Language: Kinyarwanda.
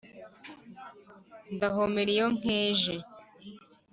ndahomera iyonkeje